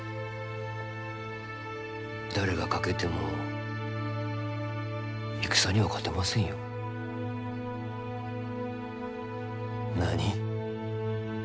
誰が欠けても戦には勝てませんよ。何？